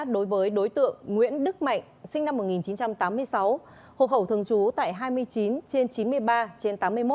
đối với đối tượng nguyễn đức mạnh sinh năm một nghìn chín trăm tám mươi sáu hộ khẩu thường trú tại hai mươi chín trên chín mươi ba trên tám mươi một